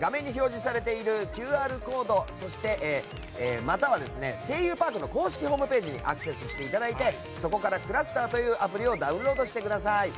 画面に表示されているＱＲコードまたは「声優パーク」の公式ホームページにアクセスしていただいてそこからｃｌｕｓｔｅｒというアプリをダウンロードしてください。